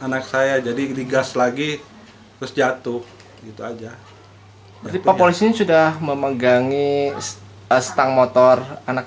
anak saya jadi digas lagi terus jatuh gitu aja polisi sudah memegangi stang motor anak